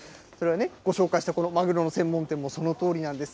ご紹介した、このマグロの専門店もそのとおりなんです。